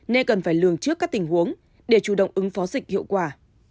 nên cần phải lường trước các tình huống để chủ động ứng phó dịch hiệu quả